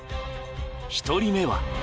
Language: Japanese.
１人目は。